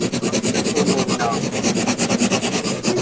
Ɣer Yuba i txeddmeḍ, naɣ?